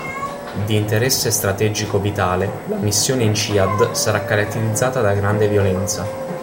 Di interesse strategico vitale, la missione in Ciad sarà caratterizzata da grande violenza.